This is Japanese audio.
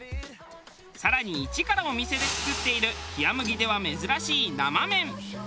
更に一からお店で作っている冷麦では珍しい生麺。